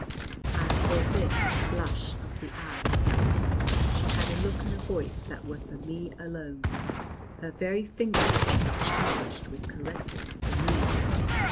I call this the blush of the eye. She had a look and a voice that were for me alone; her very finger tips were charged with caresses for me.